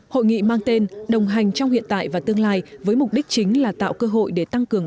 hội nghị mang tên đồng hành trong hiện tại và tương lai với mục đích chính là tạo cơ hội để tăng cường